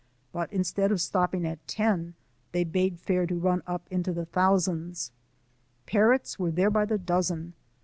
But instead of stopping at " ten," they bade fair to run up into the thousands. Parrots were there by the dozen.